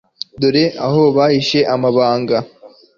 dore aho bahishiye amabanga